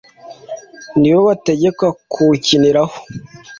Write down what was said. nibo bategekwa kuwukiniraho